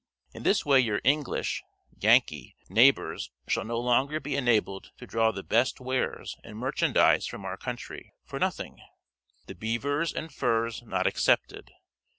"In this way your English [Yankee] neighbors shall no longer be enabled to draw the best wares and merchandise from our country for nothing; the beavers and furs not excepted.